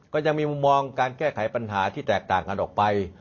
ก็ยังมีมุมมองการแก้ไขปัญหาที่แตกต่างกันออกไป